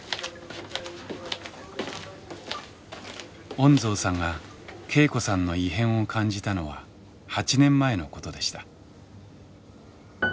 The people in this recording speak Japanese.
恩蔵さんが恵子さんの異変を感じたのは８年前のことでした。